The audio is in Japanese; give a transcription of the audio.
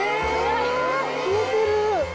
消えてる！